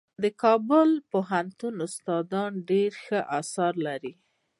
د کابل پوهنتون استادان ډېر ښه اثار لري.